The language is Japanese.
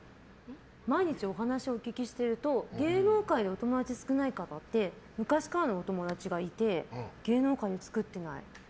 毎日お話をお聞きしてると芸能界のお友達が少ない方って昔からのお友達がいて芸能界で作ってない。